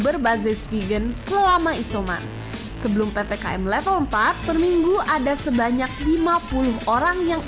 berbasis vegan selama isoman sebelum ppkm level empat per minggu ada sebanyak lima puluh orang yang